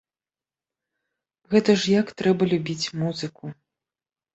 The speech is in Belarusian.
Гэта ж як трэба любіць музыку!